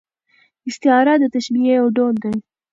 استعاره د تشبیه یو ډول دئ.